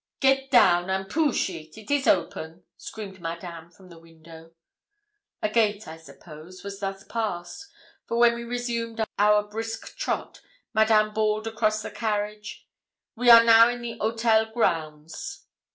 'Get down and poosh it, it is open,' screamed Madame from the window. A gate, I suppose, was thus passed; for when we resumed our brisk trot, Madame bawled across the carriage 'We are now in the 'otel grounds.'